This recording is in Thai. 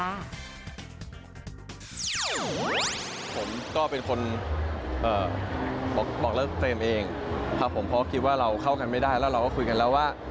ผมก็เป็นคนบอกเลิกเฟรมเองครับผมเพราะคิดว่าเราเข้ากันไม่ได้แล้วเราก็คุยกันแล้วว่า